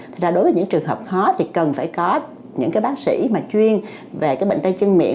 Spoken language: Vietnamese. thật ra đối với những trường hợp khó thì cần phải có những cái bác sĩ mà chuyên về cái bệnh tay chân miệng